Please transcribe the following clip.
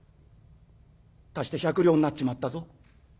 足して１００両になっちまったぞ。